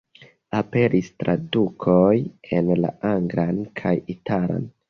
Aperis tradukoj en la anglan kaj italan.